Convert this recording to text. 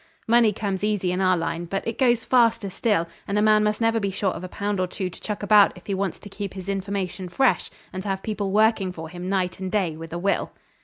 Money comes easy in our line, but it goes faster still, and a man must never be short of a pound or two to chuck about if he wants to keep his information fresh, and to have people working for him night and day with a will.